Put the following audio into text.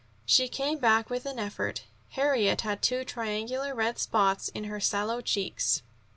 She came back with an effort. Harriet had two triangular red spots in her sallow cheeks.